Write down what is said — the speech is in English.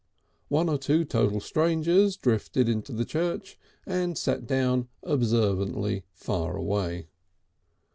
One or two total strangers drifted into the church and sat down observantly far away.